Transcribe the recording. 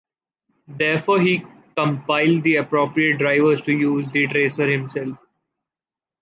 Therefore, he compiled the appropriate drivers to use the tracer himself.